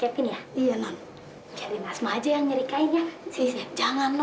tapi begitu bertapa anak saya